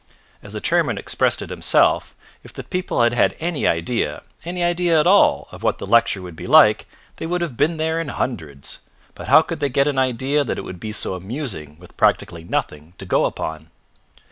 As the chairman expressed it himself, if the people had had any idea, any idea at all, of what the lecture would be like they would have been there in hundreds. But how could they get an idea that it would be so amusing with practically nothing to go upon?